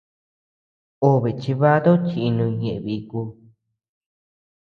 Obe chibatu chinuñ ñeʼe biku.